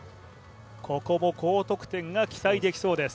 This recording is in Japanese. ここも高得点が期待できそうです。